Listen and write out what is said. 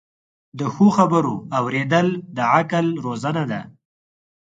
د ښو خبرو اوریدل د عقل روزنه ده.